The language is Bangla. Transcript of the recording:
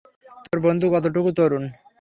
তোর বন্ধু কতটুক তরুণ?